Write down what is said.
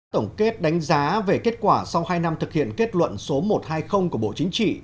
tổng kết đánh giá về kết quả sau hai năm thực hiện kết luận số một trăm hai mươi của bộ chính trị